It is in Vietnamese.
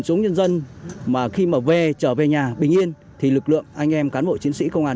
chúng nhân dân mà khi mà về trở về nhà bình yên thì lực lượng anh em cán bộ chiến sĩ công an